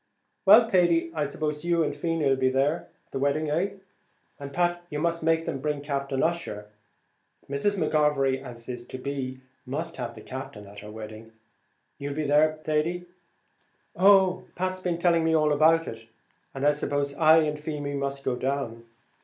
"Well, Thady, I suppose you and Feemy 'll be at the wedding, eh? and, Pat, you must make them bring Captain Ussher. Mrs. McGovery, as is to be, must have the Captain at her wedding; you'll be there, Thady?" "Oh, Pat's been telling me about it, and I suppose I and Feemy must go down.